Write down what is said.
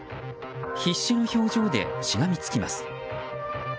必死の表情でしがみつきます。